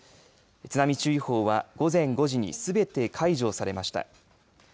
津波注意報は午前５時にすべて解除されました。